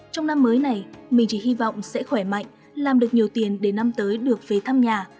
trong năm mới này mình chỉ hy vọng sẽ khỏe mạnh làm được nhiều tiền để năm tới được về thăm nhà